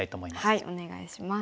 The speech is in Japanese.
はいお願いします。